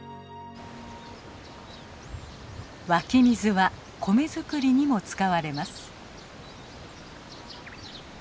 湧き水は米作りにも使われます。